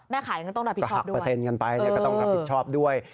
แม่ขายก็ต้องรับผิดชอบด้วย